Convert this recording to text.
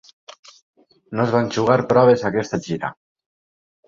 No es van jugar proves a aquesta gira.